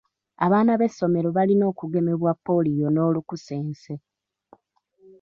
Abaana b'essomero balina okugemebwa Ppoliyo n'olukusense.